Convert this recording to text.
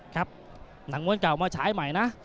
ครับหนังมวลเก่ามาใช้ใหม่นะ